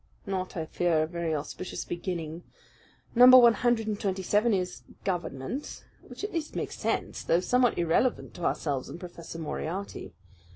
Not, I fear, a very auspicious beginning. Number one hundred and twenty seven is 'Government'; which at least makes sense, though somewhat irrelevant to ourselves and Professor Moriarty.